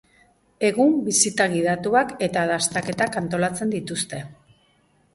Egun bisita gidatuak eta dastaketak antolatzen dituzte.